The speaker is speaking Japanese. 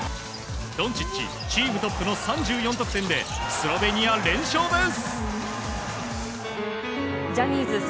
ドンチッチチームトップの３４得点でスロベニア、連勝です。